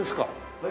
はい。